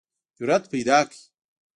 جرئت پیداکړئ